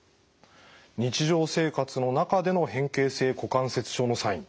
日常生活の中での変形性股関節症のサイン